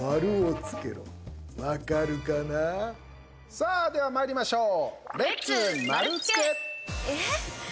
さあ、まいりましょう。